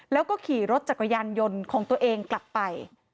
แล้วก็ขี่รถจักรยานยนต์ของตัวเองกลับไป